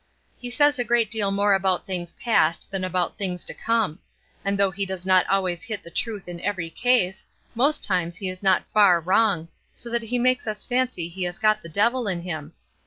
He says a great deal more about things past than about things to come; and though he does not always hit the truth in every case, most times he is not far wrong, so that he makes us fancy he has got the devil in him.